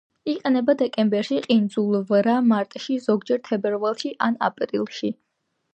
იყინება დეკემბერში, ყინულძვრაა მარტში, ზოგჯერ თებერვალში ან აპრილში.